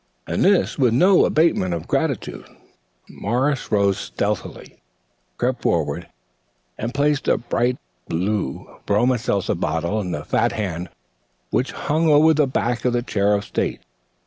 And this with no abatement of gratitude. Morris rose stealthily, crept forward, and placed a bright blue bromo seltzer bottle in the fat hand which hung over the back of the chair of state.